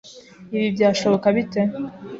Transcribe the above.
Ibi byashoboka bite?